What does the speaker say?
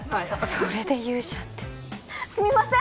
それで「勇者」ってすみません！